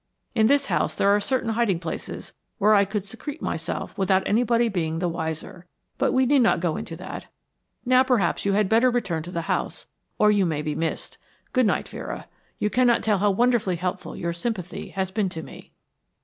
In this house there are certain hiding places where I could secrete myself without anybody being the wiser; but we need not go into that. Now perhaps you had better return to the house, or you may be missed. Good night, Vera. You cannot tell how wonderfully helpful your sympathy has been to me."